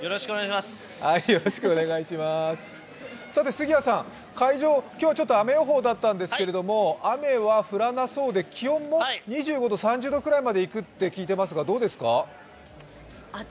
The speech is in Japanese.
杉谷さん、会場、今日は雨予報だったんですけど、雨は降らなそうで気温も２５度、３０度ぐらいまでいくようですが、どうですか。